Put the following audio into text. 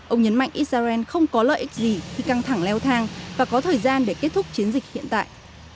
ông nhấn mạnh israel không có lợi ích gì khi căng thẳng leo thang và có thời gian để kết thúc chiến dịch hiện tại